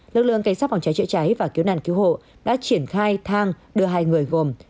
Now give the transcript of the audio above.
lực lượng cảnh sát phòng cháy chữa cháy và cứu nạn cứu hộ đã triển khai thang đưa hai người gồm